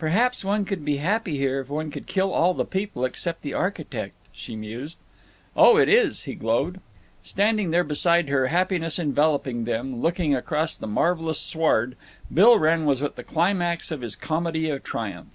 Perhaps one could be happy here—if one could kill all the people except the architect," she mused. "Oh, it is," he glowed. Standing there beside her, happiness enveloping them, looking across the marvelous sward, Bill Wrenn was at the climax of his comedy of triumph.